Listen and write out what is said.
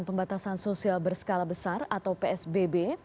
pembatasan sosial berskala besar atau psbb